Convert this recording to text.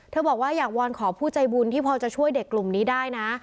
บอกว่าอยากวอนขอผู้ใจบุญที่พอจะช่วยเด็กกลุ่มนี้ได้นะ